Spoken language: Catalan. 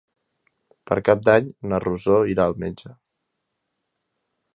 Per Cap d'Any na Rosó irà al metge.